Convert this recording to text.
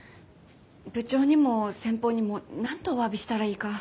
部長にも先方にも何とおわびしたらいいか。